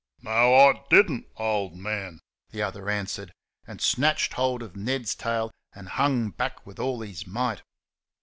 "No, I DID N'T, old man," the other answered, and snatched hold of Ned's tail and hung back with all his might.